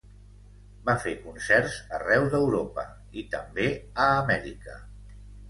Va fer concerts arreu d'Europa, i també a Amèrica.